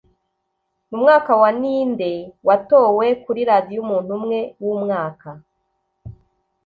Mumwaka wa Ninde watowe kuri Radio Umuntu umwe wumwaka